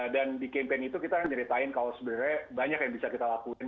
dan di campaign itu kita nyeritain kalau sebenarnya banyak yang bisa kita lakuin